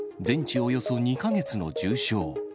およそ２か月の重傷。